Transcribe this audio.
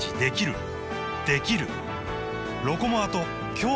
できる！